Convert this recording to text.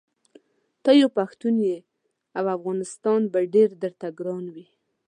ته یو پښتون یې او افغانستان به ډېر درته ګران وي.